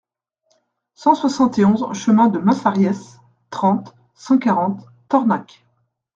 cent soixante et onze chemin de Massariès, trente, cent quarante, Tornac